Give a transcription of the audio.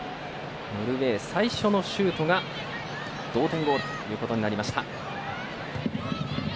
ノルウェー最初のシュートが同点ゴールとなりました。